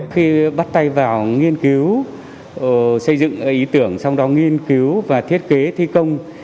khi bắt tay vào nghiên cứu xây dựng ý tưởng sau đó nghiên cứu và thiết kế thi công